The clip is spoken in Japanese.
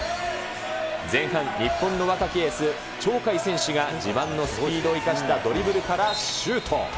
前半、日本の若きエース、鳥海選手が自慢のスピードを生かしたドリブルからシュート。